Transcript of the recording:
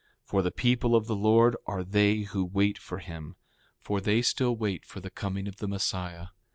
For the people of the Lord are they who wait for him; for they still wait for the coming of the Messiah.